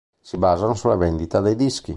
Si basano sulle vendite dei dischi.